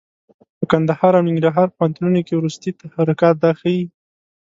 په کندهار او ننګرهار پوهنتونونو کې وروستي تحرکات دا ښيي.